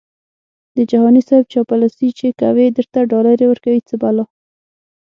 د جهاني صیب چاپلوسي چې کوي درته ډالري ورکوي څه بلا🤑🤣